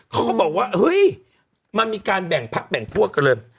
เขาก็บอกว่าเฮ้ยมันมีการแบ่งพักแบ่งพวกกันเลย